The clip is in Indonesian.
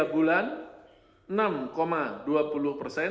sembilan bulan enam enam puluh persen